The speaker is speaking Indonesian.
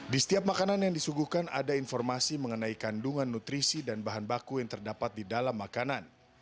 di setiap makanan yang disuguhkan ada informasi mengenai kandungan nutrisi dan bahan baku yang terdapat di dalam makanan